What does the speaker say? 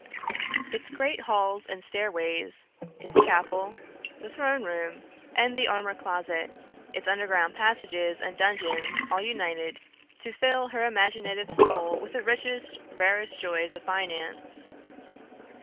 Its great halls and stairways, its chapel, the throne room, and the armor closet; its underground passages and dungeons all united to fill her imaginative soul with the richest, rarest joys of finance.